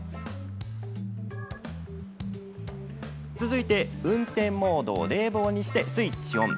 続いて運転モードを冷房にしてスイッチオン。